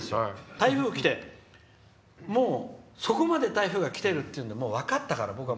台風がきて、もうそこまで台風がきてるっていうんで分かったから。